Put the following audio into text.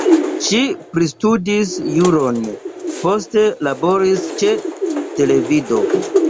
Ŝi pristudis juron, poste laboris ĉe televido.